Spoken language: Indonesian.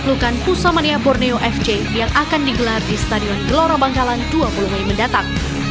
pelukan pusamania borneo fc yang akan digelar di stadion gelora bangkalan dua puluh mei mendatang